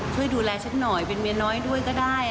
ช่วยดูแลฉันหน่อยเป็นเมียน้อยด้วยก็ได้